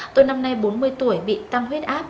tôi năm nay bốn mươi tuổi bị tăng huyết áp